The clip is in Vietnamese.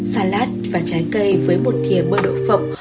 salad và trái cây với một thịa mưa đậu phộng